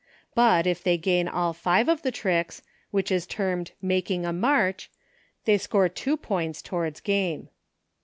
But if they gain all five of the tricks, w^ is termed making a march, they score two points towards game.